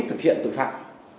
thực hiện tội phạm